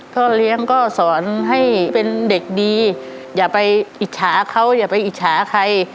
พ่อเลี้ยงก็สอนให้เป็นเด็กดีอย่าไปอิจฉาเขาอย่าไปอิจฉาใคร